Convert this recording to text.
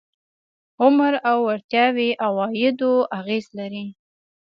عمر او وړتیاوې عوایدو اغېز لري.